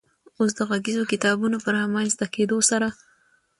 اوس د غږیزو کتابونو په رامنځ ته کېدو سره